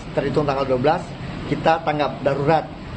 terhitung tanggal dua belas kita tanggap darurat